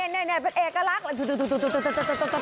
นี่เป็นเอกลักษณ์